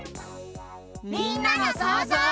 みんなのそうぞう。